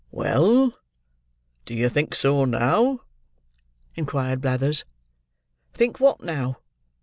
"Well? Do you think so now?" inquired Blathers. "Think what, now?"